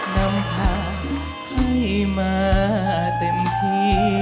นำผักให้มาเต็มที